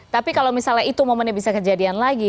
tapi kalau misalnya itu momennya bisa kejadian lagi